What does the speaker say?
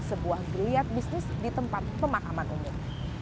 sebuah geliat bisnis di tempat pemakaman umum